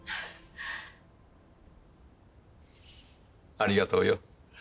ありがとうよ。